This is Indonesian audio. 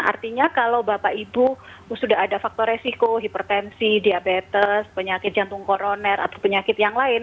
artinya kalau bapak ibu sudah ada faktor resiko hipertensi diabetes penyakit jantung koroner atau penyakit yang lain